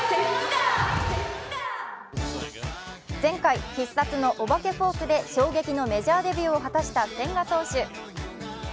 前回、必殺のお化けフォークで衝撃のメジャーデビューを果たした千賀投手。